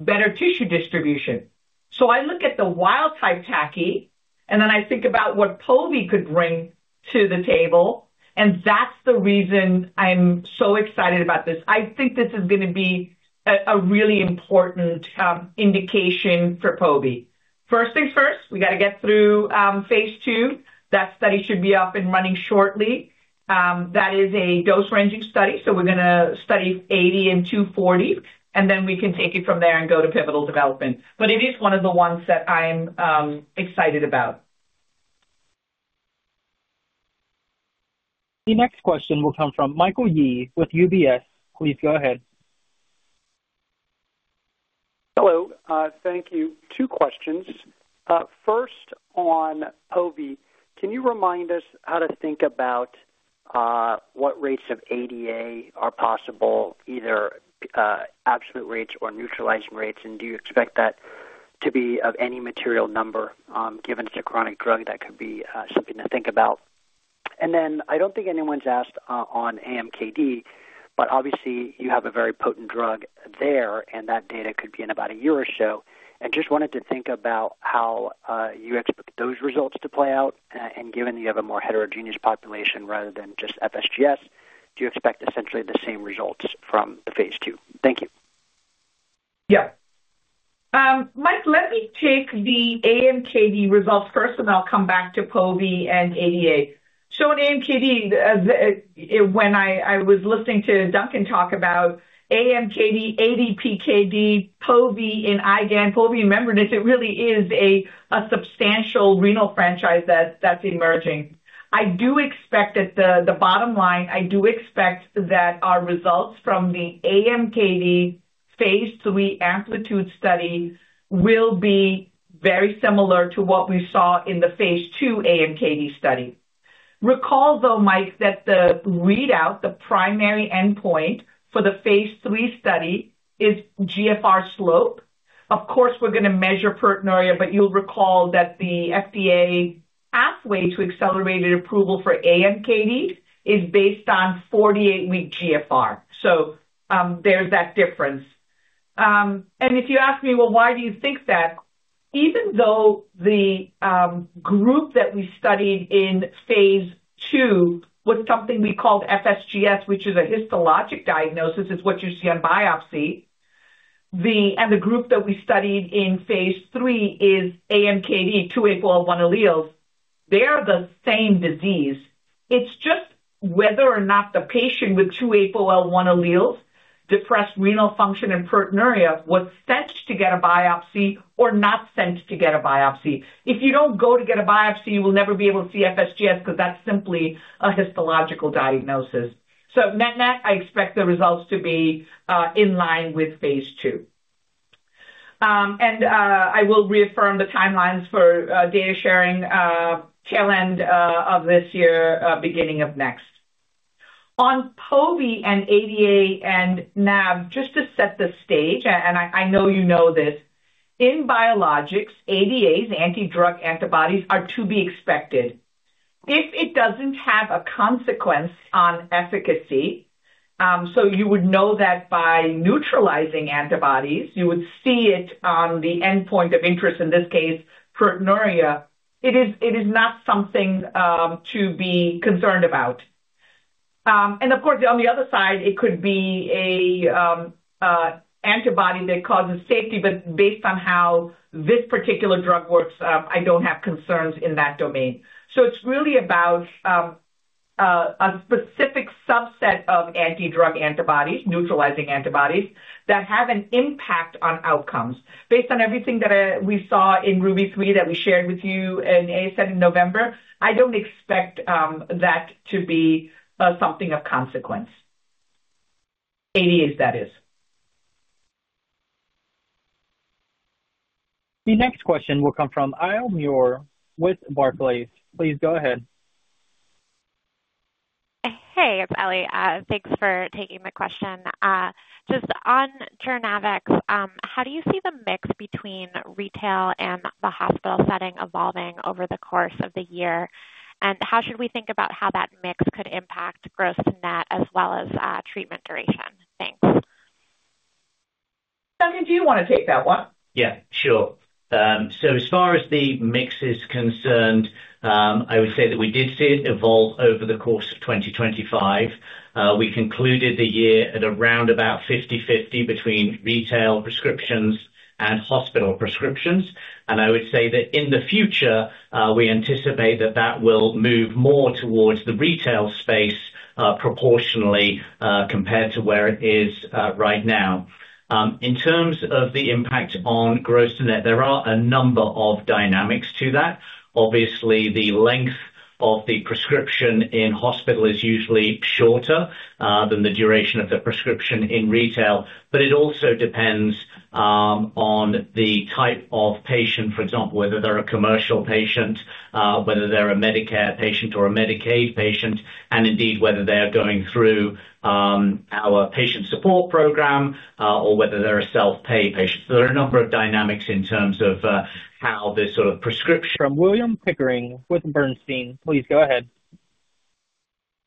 C: better tissue distribution. So I look at the wild type TACI, and then I think about what pove could bring to the table, and that's the reason I'm so excited about this. I think this is going to be a really important indication for pove. First things first, we got to get through phase II. That study should be up and running shortly. That is a dose-ranging study, so we're gonna study 80 mg and 240 mg, and then we can take it from there and go to pivotal development. But it is one of the ones that I'm excited about.
A: The next question will come from Michael Yee with UBS. Please go ahead.
K: Hello. Thank you. Two questions. First, on Pove, can you remind us how to think about what rates of ADA are possible, either absolute rates or neutralizing rates? And do you expect that to be of any material number, given it's a chronic drug, that could be something to think about? And then I don't think anyone's asked on AMKD, but obviously you have a very potent drug there, and that data could be in about a year or so. I just wanted to think about how you expect those results to play out, and given you have a more heterogeneous population rather than just FSGS, do you expect essentially the same results from the phase II? Thank you.
C: Yeah. Mike, let me take the AMKD results first, and I'll come back to pove and ADA. So in AMKD, when I was listening to Duncan talk about AMKD, ADPKD, pove and IgAN, pove, remember this, it really is a substantial renal franchise that's emerging. I do expect that the bottom line, I do expect that our results from the AMKD phase III AMPLITUDE Study will be very similar to what we saw in the phase II AMKD study. Recall, though, Mike, that the readout, the primary endpoint for the phase III study is GFR slope. Of course, we're going to measure proteinuria, but you'll recall that the FDA pathway to accelerated approval for AMKD is based on 48-week GFR. So, there's that difference. And if you ask me, "Well, why do you think that?" Even though the group that we studied in phase II was something we called FSGS, which is a histologic diagnosis, it's what you see on biopsy. The group that we studied in phase III is AMKD, 2 APOL1 alleles. They are the same disease. It's just whether or not the patient with 2 APOL1 alleles, depressed renal function and proteinuria, was sent to get a biopsy or not sent to get a biopsy. If you don't go to get a biopsy, you will never be able to see FSGS because that's simply a histological diagnosis. So net net, I expect the results to be in line with phase II. And I will reaffirm the timelines for data sharing, tail end of this year, beginning of next. On Pove and ADA and NAb, just to set the stage, and I know you know this, in biologics, ADAs, anti-drug antibodies, are to be expected. If it doesn't have a consequence on efficacy, so you would know that by neutralizing antibodies, you would see it on the endpoint of interest, in this case, proteinuria. It is not something to be concerned about. And of course, on the other side, it could be a antibody that causes safety, but based on how this particular drug works, I don't have concerns in that domain. So it's really about a specific subset of anti-drug antibodies, neutralizing antibodies, that have an impact on outcomes. Based on everything that we saw in RUBY-3 that we shared with you in ASN in November, I don't expect that to be something of consequence. ADA, that is.
A: The next question will come from Ellie Merle with Barclays. Please go ahead.
L: Hey, it's Ellie. Thanks for taking my question. Just on JOURNAVX, how do you see the mix between retail and the hospital setting evolving over the course of the year? And how should we think about how that mix could impact gross-to-net as well as treatment duration? Thanks.
C: Duncan, do you want to take that one?
D: Yeah, sure. So as far as the mix is concerned, I would say that we did see it evolve over the course of 2025. We concluded the year at around about 50/50 between retail prescriptions and hospital prescriptions, and I would say that in the future, we anticipate that that will move more towards the retail space, proportionally, compared to where it is, right now. In terms of the impact on gross-to-net, there are a number of dynamics to that. Obviously, the length of the prescription in hospital is usually shorter than the duration of the prescription in retail, but it also depends on the type of patient, for example, whether they're a commercial patient, whether they're a Medicare patient or a Medicaid patient, and indeed, whether they are going through our patient support program or whether they're a self-pay patient. So there are a number of dynamics in terms of how this sort of prescription-
A: From William Pickering with Bernstein. Please go ahead.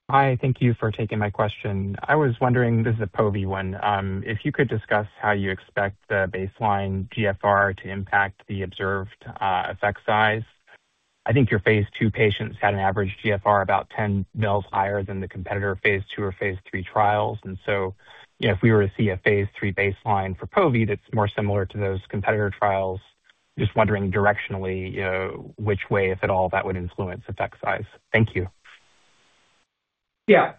M: Hi, thank you for taking my question. I was wondering, this is a pove one. If you could discuss how you expect the baseline GFR to impact the observed effect size. I think your phase II patients had an average GFR about 10 mL higher than the competitor phase II or phase III trials. And so, if we were to see a phase III baseline for pove that's more similar to those competitor trials, just wondering directionally, which way, if at all, that would influence effect size. Thank you.
C: Yeah.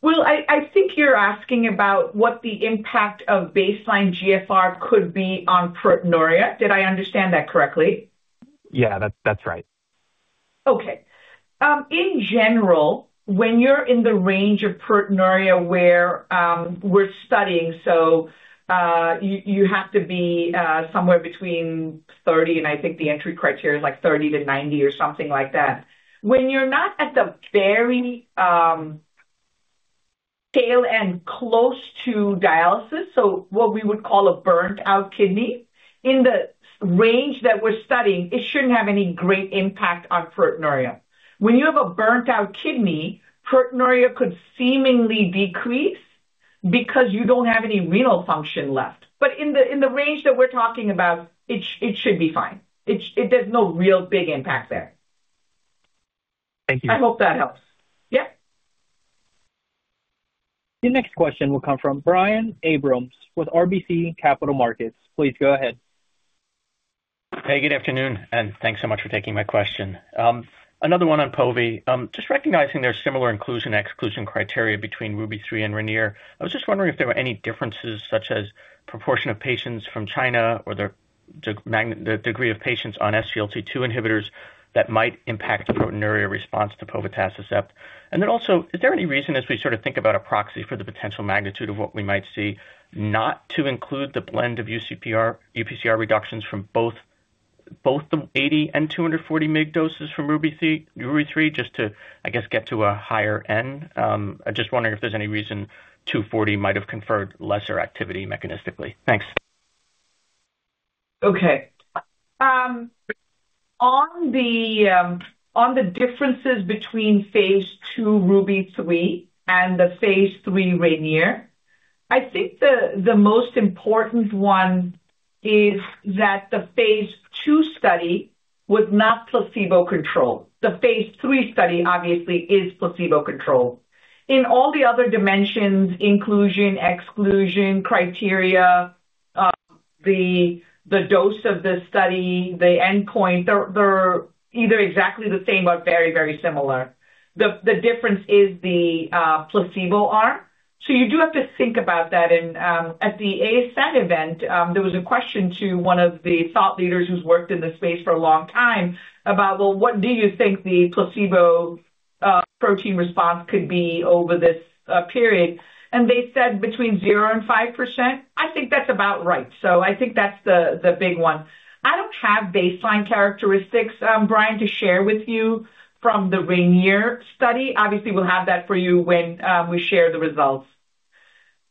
C: Well, I think you're asking about what the impact of baseline GFR could be on proteinuria. Did I understand that correctly?
M: Yeah, that's, that's right.
C: Okay. In general, when you're in the range of proteinuria where we're studying, so you have to be somewhere between 30, and I think the entry criteria is, like, 30-90 or something like that. When you're not at the very tail end, close to dialysis, so what we would call a burnt-out kidney, in the range that we're studying, it shouldn't have any great impact on proteinuria. When you have a burnt-out kidney, proteinuria could seemingly decrease because you don't have any renal function left. But in the range that we're talking about, it should be fine. There's no real big impact there.
M: Thank you.
C: I hope that helps. Yeah.
A: Your next question will come from Brian Abrahams with RBC Capital Markets. Please go ahead.
N: Hey, good afternoon, and thanks so much for taking my question. Another one on pove. Just recognizing there's similar inclusion/exclusion criteria between RUBY-3 and RAINIER, I was just wondering if there were any differences, such as proportion of patients from China or the degree of patients on SGLT2 inhibitors, that might impact proteinuria response to povetacicept. And then also, is there any reason, as we sort of think about a proxy for the potential magnitude of what we might see, not to include the blend of UPCR reductions from both the 80 mg and 240 mg doses from RUBY-3, just to get to a higher end? I'm just wondering if there's any reason 240 might have conferred lesser activity mechanistically. Thanks.
C: Okay. On the differences between phase II, RUBY-3, and the phase III RAINIER, I think the most important one is that the phase II study was not placebo-controlled. The phase III study, obviously, is placebo-controlled. In all the other dimensions, inclusion, exclusion criteria, the dose of the study, the endpoint, they're either exactly the same or very, very similar. The difference is the placebo arm. So you do have to think about that. And, at the ASN event, there was a question to one of the thought leaders who's worked in this space for a long time about, "Well, what do you think the placebo protein response could be over this period?" And they said between 0% and 5%. I think that's about right. So I think that's the big one. I don't have baseline characteristics, Brian, to share with you from the RAINIER study. Obviously, we'll have that for you when we share the results.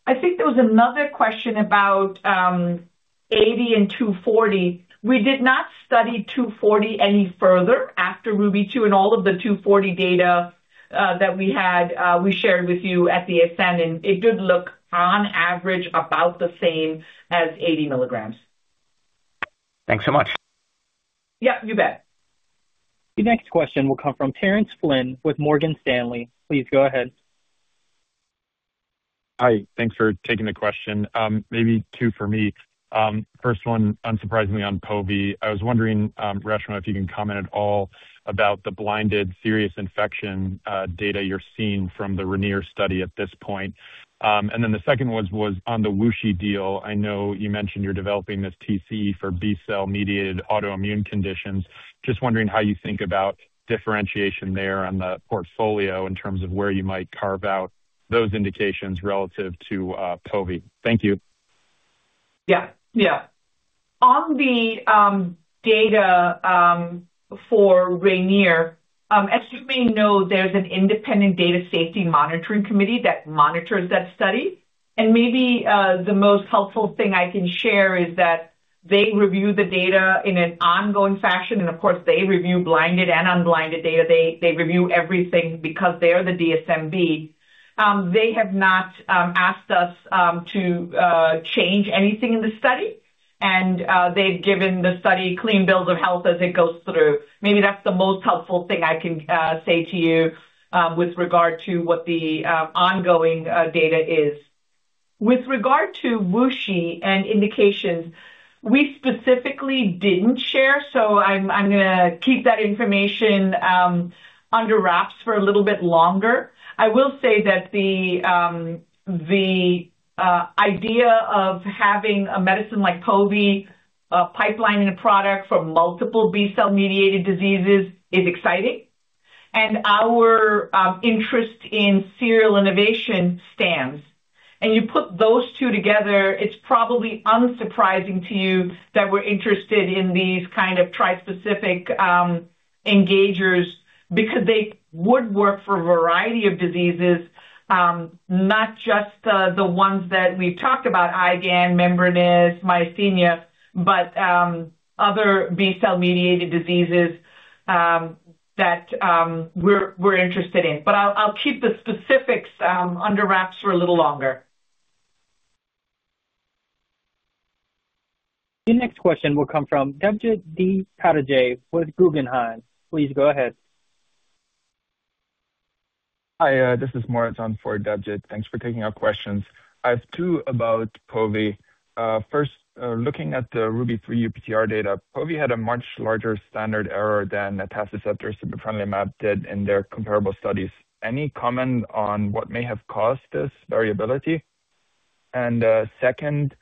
C: I think there was another question about 80 mg and 240 mg. We did not study 240 mg any further after RUBY-2, and all of the 240 mg data that we had we shared with you at the ASN, and it did look, on average, about the same as 80 mg.
N: Thanks so much.
C: Yeah, you bet.
A: The next question will come from Terence Flynn with Morgan Stanley. Please go ahead.
O: Hi. Thanks for taking the question. Maybe two for me. First one, unsurprisingly, on pove. I was wondering, Reshma, if you can comment at all about the blinded serious infection data you're seeing from the RAINIER study at this point. And then the second one was on the WuXi deal. I know you mentioned you're developing this TCE for B cell-mediated autoimmune conditions. Just wondering how you think about differentiation there on the portfolio in terms of where you might carve out those indications relative to pove. Thank you.
C: Yeah. Yeah. On the data for RAINIER, as you may know, there's an independent data safety monitoring committee that monitors that study. And maybe the most helpful thing I can share is that they review the data in an ongoing fashion, and of course, they review blinded and unblinded data. They review everything because they are the DSMB. They have not asked us to change anything in the study, and they've given the study clean bills of health as it goes through. Maybe that's the most helpful thing I can say to you with regard to what the ongoing data is. With regard to WuXi and indications, we specifically didn't share, so I'm gonna keep that information under wraps for a little bit longer. I will say that the idea of having a medicine like povet pipelining a product from multiple B cell-mediated diseases is exciting, and our interest in serial innovation stands. You put those two together, it's probably unsurprising to you that we're interested in these kind of tri-specific engagers, because they would work for a variety of diseases, not just the ones that we've talked about, IgAN, membranous, myasthenia, but other B cell-mediated diseases that we're interested in. But I'll keep the specifics under wraps for a little longer.
A: The next question will come from Debjit Chattopadhyay with Guggenheim. Please go ahead.
P: Hi, this is Morrison for Debjit. Thanks for taking our questions. I have two about pove. First, looking at the RUBY-3 UPCR data, povetacicept had a much larger standard error than atacicept or sibeprenlimab did in their comparable studies. Any comment on what may have caused this variability? Second,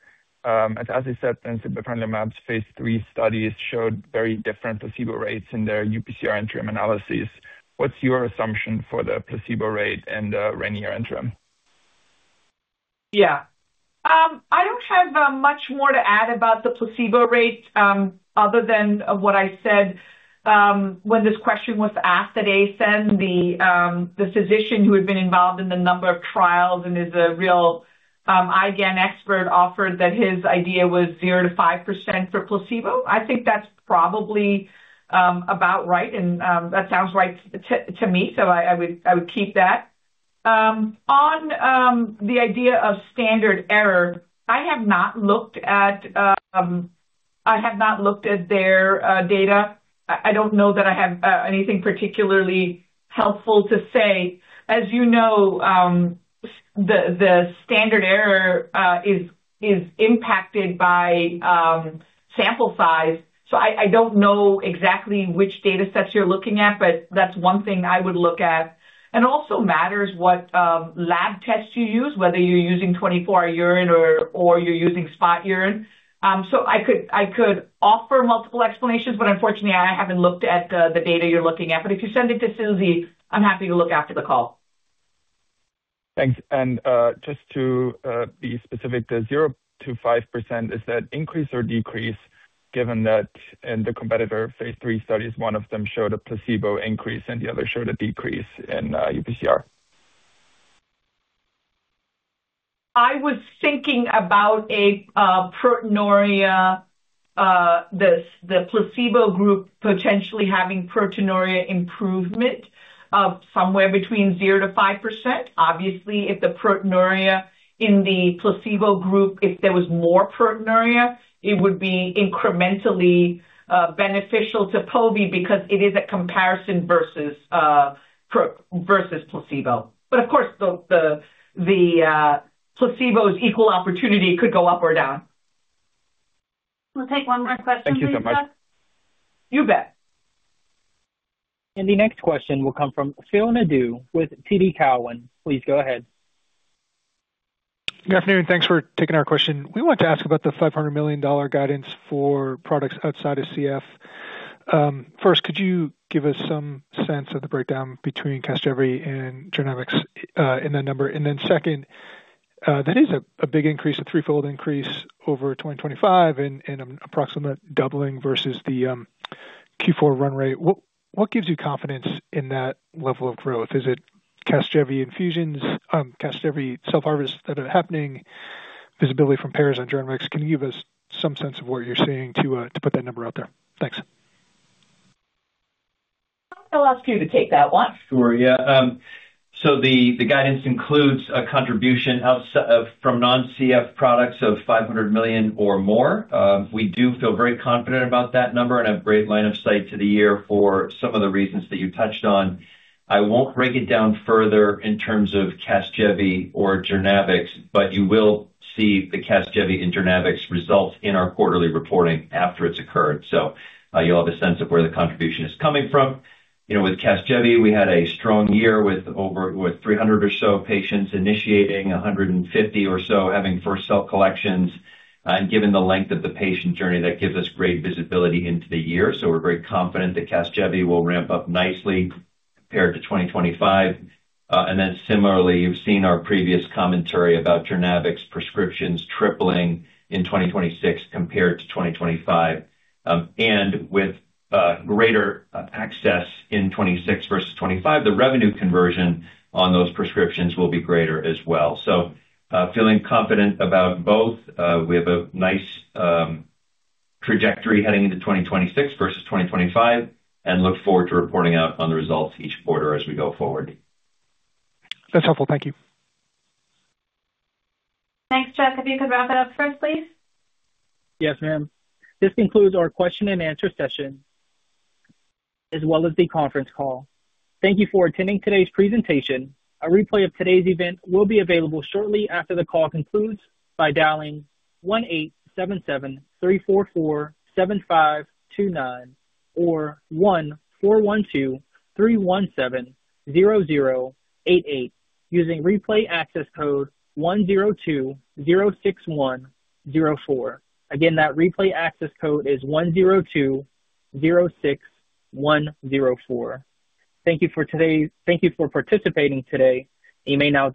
P: atacicept and sibeprenlimab phase III studies showed very different placebo rates in their UPCR interim analyses. What's your assumption for the placebo rate in the RAINIER interim?
C: Yeah. I don't have much more to add about the placebo rate, other than what I said, when this question was asked at ASN, the physician who had been involved in the number of trials and is a real IgAN expert, offered that his idea was 0%-5% for placebo. I think that's probably about right, and that sounds right to me, so I would keep that. On the idea of standard error, I have not looked at their data. I don't know that I have anything particularly helpful to say. As you know, the standard error is impacted by sample size. So I don't know exactly which data sets you're looking at, but that's one thing I would look at. And it also matters what lab tests you use, whether you're using 24-hour urine or you're using spot urine. So I could offer multiple explanations, but unfortunately, I haven't looked at the data you're looking at. But if you send it to Susie, I'm happy to look after the call.
P: Thanks. And just to be specific, the 0%-5%, is that increase or decrease, given that in the competitor phase III studies, one of them showed a placebo increase and the other showed a decrease in UPCR?
C: I was thinking about proteinuria, the placebo group potentially having proteinuria improvement of somewhere between 0%-5%. Obviously, if the proteinuria in the placebo group, if there was more proteinuria, it would be incrementally beneficial to pove because it is a comparison versus placebo. But of course, the placebo's equal opportunity could go up or down.
A: We'll take one more question, Lisa.
P: Thank you so much.
C: You bet.
A: The next question will come from Phil Nadeau with TD Cowen. Please go ahead.
Q: Good afternoon. Thanks for taking our question. We want to ask about the $500 million guidance for products outside of CF. First, could you give us some sense of the breakdown between CASGEVY and JOURNAVX in that number? And then second, that is a big increase, a threefold increase over 2025 and an approximate doubling versus the Q4 run rate. What gives you confidence in that level of growth? Is it CASGEVY infusions, CASGEVY self-harvest that are happening, visibility from PBMs on JOURNAVX? Can you give us some sense of where you're seeing to put that number out there? Thanks.
C: I'll ask you to take that one.
E: Sure. Yeah. So the guidance includes a contribution outside from non-CF products of $500 million or more. We do feel very confident about that number and have great line of sight to the year for some of the reasons that you touched on. I won't break it down further in terms of CASGEVY or JOURNAVX, but you will see the CASGEVY and JOURNAVX results in our quarterly reporting after it's occurred. So you'll have a sense of where the contribution is coming from. You know, with CASGEVY, we had a strong year with over 300 or so patients initiating, 150 or so having first cell collections, and given the length of the patient journey, that gives us great visibility into the year. So we're very confident that CASGEVY will ramp up nicely compared to 2025. And then similarly, you've seen our previous commentary about JOURNAVX prescriptions tripling in 2026 compared to 2025. With greater access in 2026 versus 2025, the revenue conversion on those prescriptions will be greater as well. Feeling confident about both. We have a nice trajectory heading into 2026 versus 2025 and look forward to reporting out on the results each quarter as we go forward.
Q: That's helpful. Thank you.
B: Thanks, Jeff. If you could wrap it up for us, please.
A: Yes, ma'am. This concludes our question and answer session, as well as the conference call. Thank you for attending today's presentation. A replay of today's event will be available shortly after the call concludes by dialing 1-877-344-7529 or 1-412-317-0088, using replay access code 10206104. Again, that replay access code is 10206104. Thank you for today. Thank you for participating today. You may now disconnect.